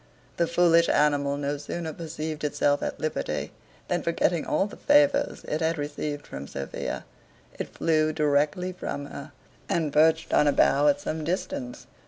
The foolish animal no sooner perceived itself at liberty, than forgetting all the favours it had received from Sophia, it flew directly from her, and perched on a bough at some distance.